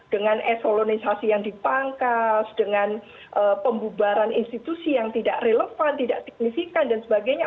dengan esolonisasi yang dipangkas dengan pembubaran institusi yang tidak relevan tidak signifikan dan sebagainya